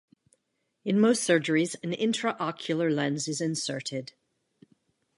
In most surgeries an intraocular lens is inserted.